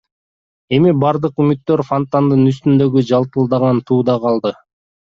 Эми бардык үмүттөр фонтандын үстүндөгү жалтылдаган тууда калды.